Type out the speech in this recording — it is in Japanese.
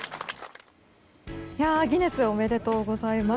ギネスおめでとうございます。